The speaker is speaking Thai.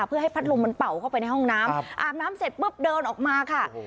เพื่อให้พัดลมมันเป่าเข้าไปในห้องน้ำอาบน้ำเสร็จปุ๊บเดินออกมาค่ะ